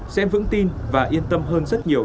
sẽ vững tin và yên tâm hơn rất nhiều